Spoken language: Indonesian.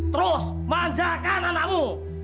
terus manjakan anakmu